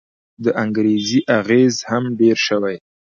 د انګرېزي اغېز هم ډېر شوی.